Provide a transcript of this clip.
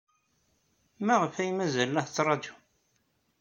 Maɣef ay mazal la tettṛajum?